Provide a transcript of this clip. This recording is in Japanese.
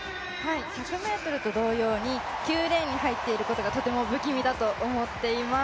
１００ｍと同様に、９レーンに入っていることがとても不気味だと思っています。